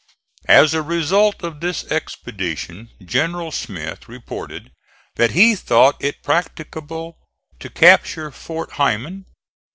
As a result of this expedition General Smith reported that he thought it practicable to capture Fort Heiman.